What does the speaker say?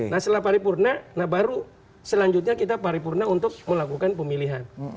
nah setelah paripurna nah baru selanjutnya kita paripurna untuk melakukan pemilihan